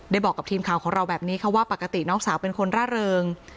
บอกกับทีมข่าวของเราแบบนี้ค่ะว่าปกติน้องสาวเป็นคนร่าเริง